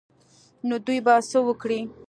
نو دوى به څه وکړي.